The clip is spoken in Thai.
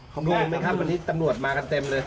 ผมรู้เห็นไหมครับวันนี้ตำรวจมากันเต็มเลย